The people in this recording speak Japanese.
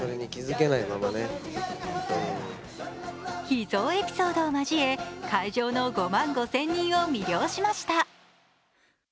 秘蔵エピソードを交え会場の５万５０００人を魅了しました。